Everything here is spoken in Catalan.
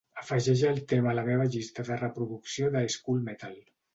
Afegeix el tema a la meva llista de reproducció de "school metal"